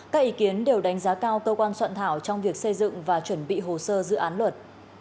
các ý kiến đều đánh giá cao cơ quan soạn thảo trong việc xây dựng và chuẩn bị hồ sơ dự án luật